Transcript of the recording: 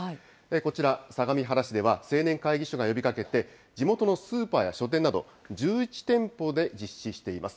こちら、相模原市では、青年会議所が呼びかけて、地元のスーパーや書店など、１１店舗で実施しています。